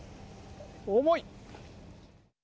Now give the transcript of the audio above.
重い。